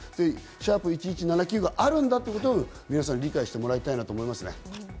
「＃７１１９」があるんだということを皆さん、理解していただきたいなと思いますね。